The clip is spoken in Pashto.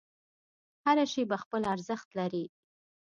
هره شیبه خپل ارزښت لري.